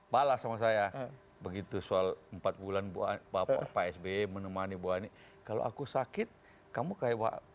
balas sama saya begitu soal empat bulan bapak pak sby menemani ibu ani kalau aku sakit kamu kayak